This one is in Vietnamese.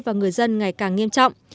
và người dân ngày càng nghiêm trọng